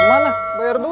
mau mana bayar dulu